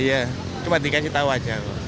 iya cuma dikasih tahu aja kok